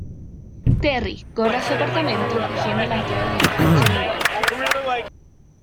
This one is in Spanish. Terry corre a su apartamento cogiendo las llaves del coche de Walt.